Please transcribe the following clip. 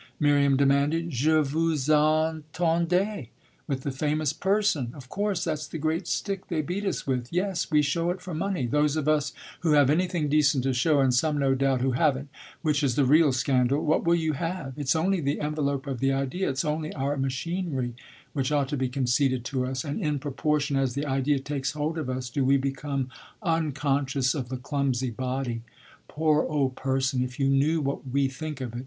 Miriam demanded. "Je vous attendais with the famous 'person'; of course that's the great stick they beat us with. Yes, we show it for money, those of us who have anything decent to show, and some no doubt who haven't, which is the real scandal. What will you have? It's only the envelope of the idea, it's only our machinery, which ought to be conceded to us; and in proportion as the idea takes hold of us do we become unconscious of the clumsy body. Poor old 'person' if you knew what we think of it!